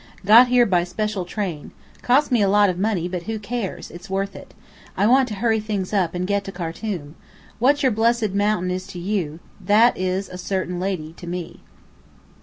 Got here by special train. Cost me a lot of money. But who cares? It's worth it. I want to hurry things up, and get to Khartum. What your blessed mountain is to you, that is a certain lady to me."